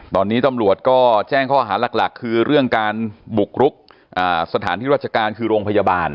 ตอนนี้ตำรวจก็แจ้งข้อหาหลักคือเรื่องการบุกรุกสถานที่ราชการคือโรงพยาบาล